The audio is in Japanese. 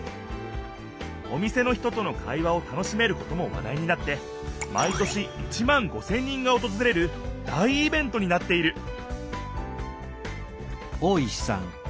お店の人との会話を楽しめることも話題になって毎年１万５千人がおとずれる大イベントになっている